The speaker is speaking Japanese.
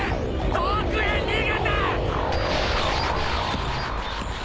遠くへ逃げて！